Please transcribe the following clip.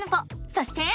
そして。